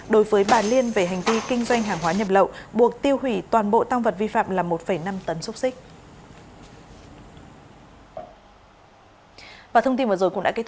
đối với bà liên về hành vi kinh doanh hàng hóa nhập lậu buộc tiêu hủy toàn bộ tăng vật vi phạm là một năm tấn xúc xích